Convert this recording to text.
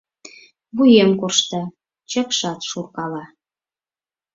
Вуем коршта, чыкшат шуркала...